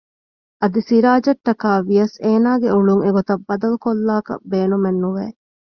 އަދި ސިރާޖަށްޓަކައި ވިޔަސް އޭނާގެ އުޅުން އެގޮތަށް ބަދަލު ކޮށްލާކަށް ބޭނުމެއް ނުވެ